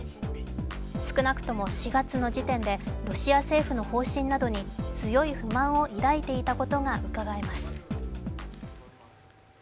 少なくとも４月の時点で、ロシア政府の方針などに強い不満を抱いていたことがうかがえます。